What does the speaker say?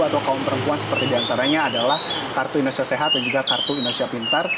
atau kaum perempuan seperti diantaranya adalah kartu indonesia sehat dan juga kartu indonesia pintar